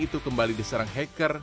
dan juga kembali diserang hacker